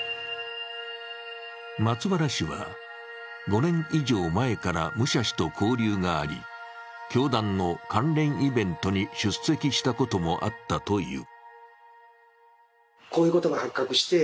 松原氏は、５年以上前から武者氏と交流があり教団の関連イベントに出席したこともあったという。